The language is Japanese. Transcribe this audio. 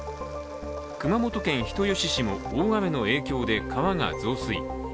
熊本県人吉市も大雨の影響で川が増水。